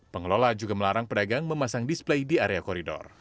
pengelola juga melarang pedagang memasang display di area koridor